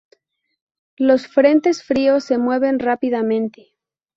Los frentes fríos se mueven rápidamente.